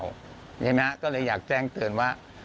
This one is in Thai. ใช่ไหมก็เลยอยากแจ้งเตือนว่า